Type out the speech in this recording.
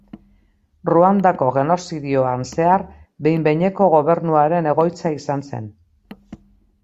Ruandako genozidioan zehar, behin-behineko gobernuaren egoitza izan zen.